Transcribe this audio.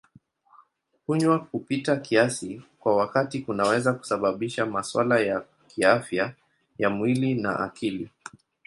Kunywa kupita kiasi kwa wakati kunaweza kusababisha masuala ya kiafya ya mwili na akili.